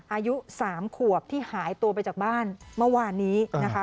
อายุ๓ขวบที่หายตัวไปจากบ้านเมื่อวานนี้นะคะ